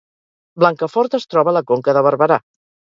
Blancafort es troba a la Conca de Barberà